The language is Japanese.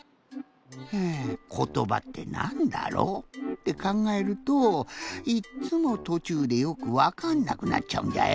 フー「ことばってなんだろう」ってかんがえるといっつもとちゅうでよくわかんなくなっちゃうんじゃよ。